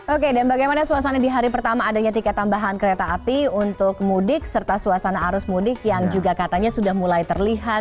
oke dan bagaimana suasana di hari pertama adanya tiket tambahan kereta api untuk mudik serta suasana arus mudik yang juga katanya sudah mulai terlihat